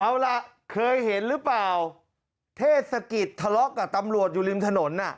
เอาล่ะเคยเห็นหรือเปล่าเทศกิจทะเลาะกับตำรวจอยู่ริมถนนอ่ะ